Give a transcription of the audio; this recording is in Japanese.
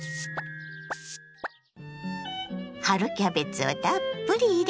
春キャベツをたっぷり入れ